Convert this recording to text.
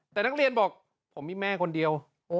แต่นักเรียนบอกผมมีแม่คนเดียว